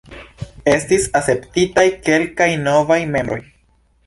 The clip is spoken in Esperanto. Estis akceptitaj kelkaj novaj membroj.